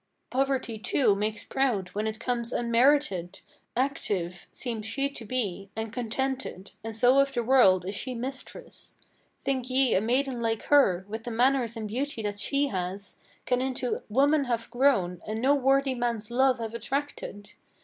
"Poverty, too, makes proud, when it comes unmerited! Active Seems she to be, and contented, and so of the world is she mistress. Think ye a maiden like her, with the manners and beauty that she has, Can into woman have grown, and no worthy man's love have attracted?